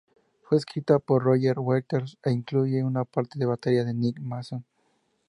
Fue escrita por Roger Waters, e incluye una parte de batería de Nick Mason.